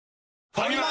ファミマ！